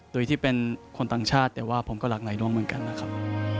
โดยที่เป็นคนต่างชาติแต่ว่าผมก็รักหลายดวงเหมือนกันนะครับ